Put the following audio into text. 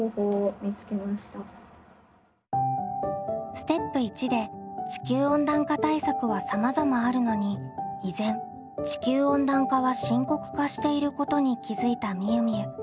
ステップ①で地球温暖化対策はさまざまあるのに依然地球温暖化は深刻化していることに気付いたみゆみゆ。